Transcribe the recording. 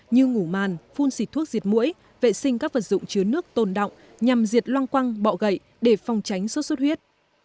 như ngủ màn phun xịt thuốc diệt mũi vệ sinh các vật dụng chứa nước tồn động nhằm diệt loang quăng bọ gậy để phòng tránh sốt xuất huyết